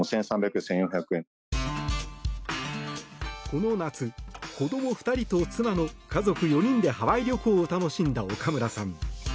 この夏子ども２人と妻の家族４人でハワイ旅行を楽しんだ岡村さん。